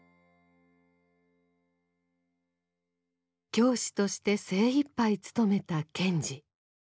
教師として精いっぱい務めた賢治。